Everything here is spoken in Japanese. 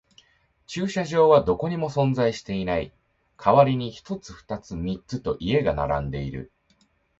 駐車場はどこにも存在していない。代わりに一つ、二つ、三つと家が並んでいる。